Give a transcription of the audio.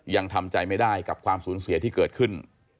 ยังทำใจไม่ได้กับความสูญเสียที่เกิดขึ้น